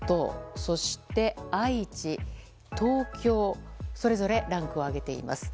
そして愛知、東京それぞれランクを上げています。